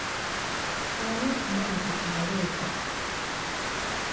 Ani akumanyi ku kyalo ekyo?